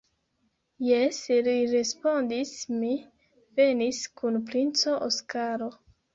Jes, li respondis mi venis kun princo Oskaro.